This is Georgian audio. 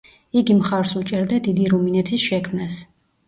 იგი მხარს უჭერდა დიდი რუმინეთის შექმნას.